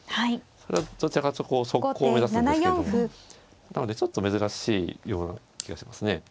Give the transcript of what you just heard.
それはどちらかというと速攻を目指すんですけどもなのでちょっと珍しいような気がしますね。